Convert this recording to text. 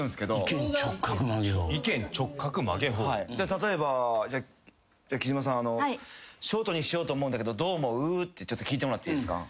例えば貴島さん「ショートにしようと思うんだけどどう思う？」って聞いてもらっていいですか？